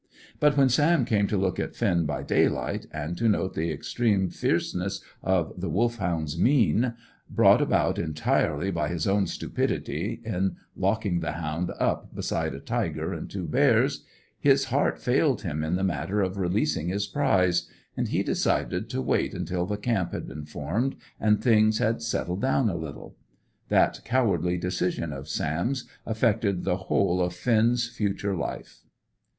But when Sam came to look at Finn by daylight, and to note the extreme fierceness of the Wolfhound's mien brought about entirely by his own stupidity in locking the hound up beside a tiger and two bears his heart failed him in the matter of releasing his prize, and he decided to wait until the camp had been formed, and things had settled down a little. That cowardly decision of Sam's affected the whole of Finn's future life.